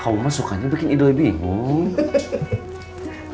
kau mah sukanya bikin ide lebih bingung